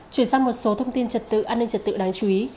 chuyển sang một số thông tin trật tự an ninh trật tự đáng chú ý